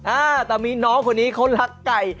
อ่าแต่มีน้องคนนี้เขารักไก่